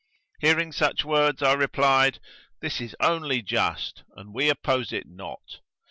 Hearing such words I replied, "This is only just, and we oppose it not."